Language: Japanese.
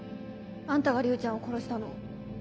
あんたが龍ちゃんを殺したの？